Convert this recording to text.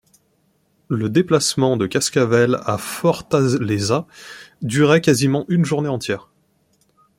Le déplacement de Cascavel à Fortaleza durait quasiment une journée entière.